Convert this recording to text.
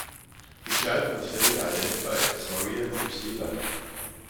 The child was later identified as Maria Ruseva.